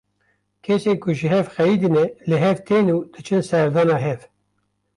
Kesên ku ji hev xeyidîne li hev tên û diçin serdana hev.